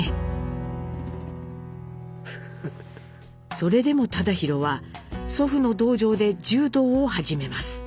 それでも忠宏は祖父の道場で柔道を始めます。